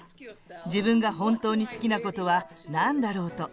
自分が本当に好きなことは何だろうと。